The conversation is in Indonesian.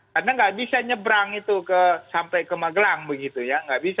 karena nggak bisa nyebrang itu sampai ke menggelang begitu ya nggak bisa